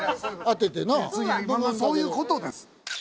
当ててなそういうことです